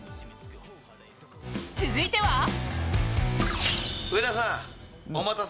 続いては。